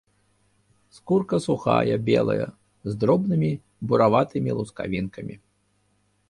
Скурка сухая, белая, з дробнымі бураватымі лускавінкамі.